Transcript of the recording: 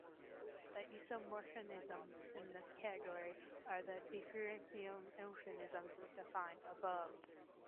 The isomorphisms in this category are the diffeomorphisms defined above.